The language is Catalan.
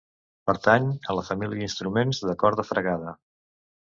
Pertany a la família d'instruments de corda fregada.